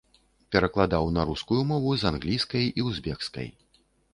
Перакладаў на рускую мову з англійскай і узбекскай.